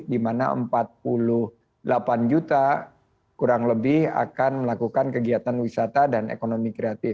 di mana empat puluh delapan juta kurang lebih akan melakukan kegiatan wisata dan ekonomi kreatif